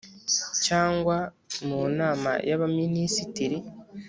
Cyangwa mu nama y abaminisitiri